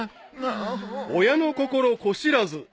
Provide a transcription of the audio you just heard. ［親の心子知らず］